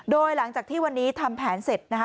โดยหลังจากที่วันนี้ทำแผนเสร็จนะคะ